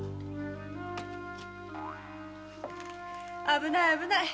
危ない危ない。